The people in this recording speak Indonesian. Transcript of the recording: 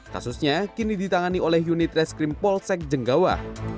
kasusnya kini ditangani oleh unit reskrim polsek jenggawa